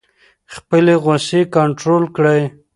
خپلې غصې کنټرول کړئ.